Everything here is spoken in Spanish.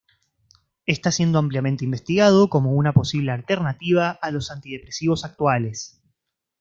Está siendo ampliamente investigado como una posible alternativa a los antidepresivos actuales.